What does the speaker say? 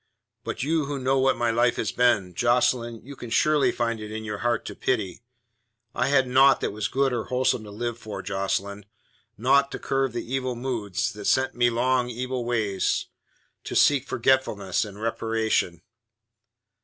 But you who know what my life has been, Jocelyn, you can surely find it in your heart to pity. I had naught that was good or wholesome to live for, Jocelyn; naught to curb the evil moods that sent me along evil ways to seek forgetfulness and reparation.